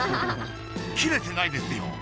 キレてないですよ。